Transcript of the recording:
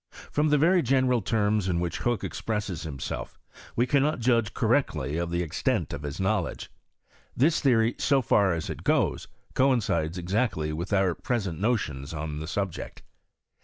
From the very general terras in which Hook ex presses himself, we cannot judge correctly of the extent of his knowledge. This theory, so far as it goes, coincides exactly with our present notions on the subject.